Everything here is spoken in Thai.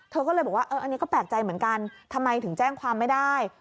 เธอก็เลยบอกว่าอันนี้ก็แปลกใจเหมือนกันทำไมถึงแจ้งความไม่ได้